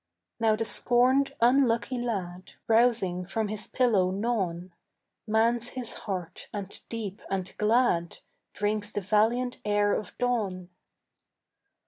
Now the scorned unlucky lad Rousing from his pillow gnawn Mans his heart and deep and glad Drinks the valiant air of dawn.